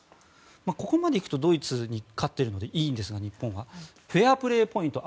ここまでいくとドイツに勝ってるので日本はいいんですがフェアプレーポイント。